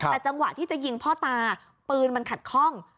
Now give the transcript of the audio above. แต่จังหวะที่จะยิงพ่อตาปืนมันขัดข้อง